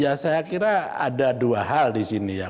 ya saya kira ada dua hal disini ya